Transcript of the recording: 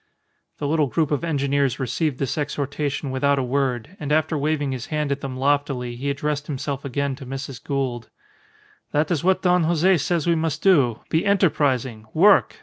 The little group of engineers received this exhortation without a word, and after waving his hand at them loftily, he addressed himself again to Mrs. Gould "That is what Don Jose says we must do. Be enterprising! Work!